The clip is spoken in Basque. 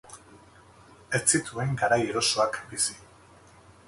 Ez zituen garai erosoak bizi.